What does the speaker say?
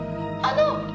あの！